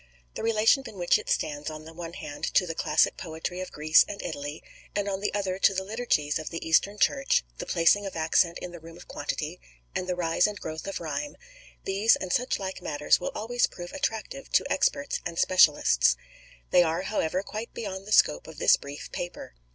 The relation in which it stands on the one hand to the classic poetry of Greece and Italy, and on the other to the Liturgies of the Eastern Church, the placing of accent in the room of quantity, and the rise and growth of rhyme—these and such like matters will always prove attractive to experts and specialists. They are, however, quite beyond the scope of this brief paper.